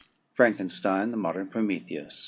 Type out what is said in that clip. FRANKENSTEIN; OR, THE MODERN PROMETHEUS.